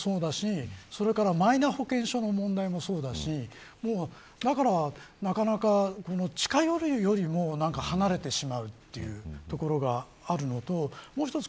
コロナの問題もそうだしそれからマイナ保険証の問題もそうだしなかなか近寄るよりも離れてしまうというところがあるのと、もう一つ